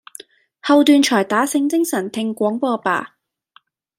後段才打醒精神聽廣播吧！